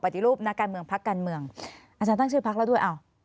รูปนักการเมืองพักการเมืองอาจารย์ตั้งชื่อพักแล้วด้วย